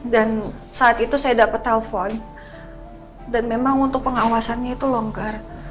dan saat itu saya dapat telepon dan memang untuk pengawasannya itu longgar